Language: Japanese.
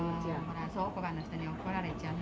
倉庫番の人に怒られちゃうね。